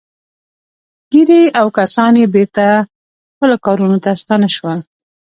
ګيري او کسان يې بېرته خپلو کارونو ته ستانه شول.